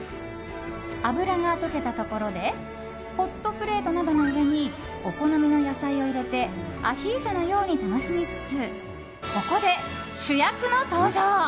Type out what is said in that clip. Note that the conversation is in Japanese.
脂が溶けたところでホットプレートなどの上にお好みの野菜を入れてアヒージョのように楽しみつつここで主役の登場。